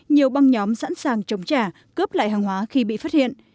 nhiều băng nhóm sẵn sàng chống trả cướp lại hàng hóa khi bị phát hiện